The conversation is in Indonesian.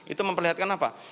itu memperlihatkan apa